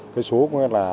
cái số có nghĩa là